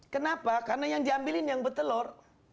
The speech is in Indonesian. kenapa karena yang diambilin yang bertelur